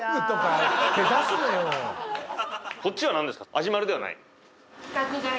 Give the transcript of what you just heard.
味まるではない？